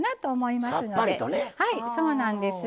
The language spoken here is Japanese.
はいそうなんです。